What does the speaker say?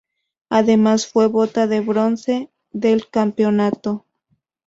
Además, fue bota de bronce del Campeonato.